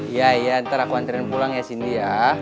iya iya ntar aku anterin pulang ya cindy ya